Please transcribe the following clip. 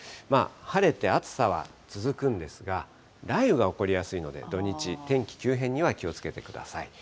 晴れて暑さは続くんですが、雷雨が起こりやすいので、土日、天気急変には気をつけてください。